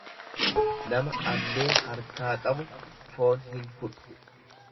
Nama ablee harkaa qabu foon hin hudhu.